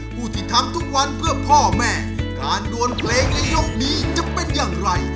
ผู้ที่ทำทุกวันเพื่อพ่อแม่การดวนเพลงในยกนี้จะเป็นอย่างไร